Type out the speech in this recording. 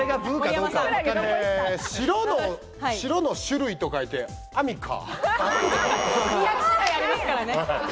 白の種類と書いて、アンミカ。